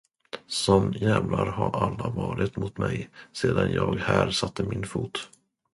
Som djävlar ha alla varit mot mig, sedan jag här satte min fot.